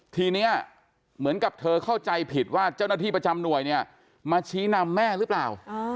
ทีนี้เหมือนกับเธอเข้าใจผิดว่าเจ้าหน้าที่ประจำหน่วยเนี่ยมาชี้นำแม่หรือเปล่า